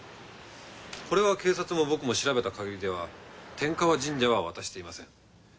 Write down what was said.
これは警察も僕も調べたかぎりでは天河神社は渡していません。